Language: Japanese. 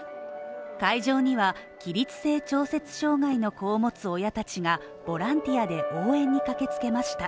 会場には、起立性調節障害の子を持つ親たちがボランティアで応援に駆けつけました